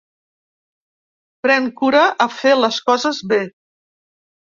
Pren cura a fer les coses bé.